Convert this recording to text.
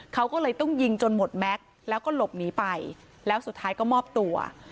เขาก็เลยต้องยิงจนหมดแม็กซ์แล้วก็หลบหนีไปแล้วสุดท้ายก็มอบตัว